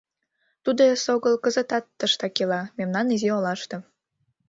— Тудо эсогыл кызытат тыштак ила, мемнан изи олаште.